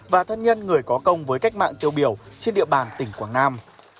và thân nhân người có công với cách mạng tiêu biểu trên địa bàn tỉnh quảng nam